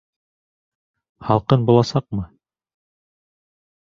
Һалҡын буласаҡмы?